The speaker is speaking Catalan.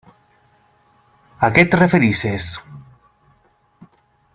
A què et refereixes?